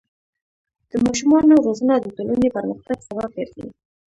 د ماشومانو روزنه د ټولنې پرمختګ سبب ګرځي.